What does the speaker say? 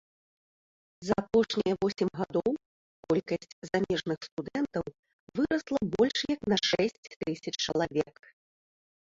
За апошнія восем гадоў колькасць замежных студэнтаў вырасла больш як на шэсць тысяч чалавек.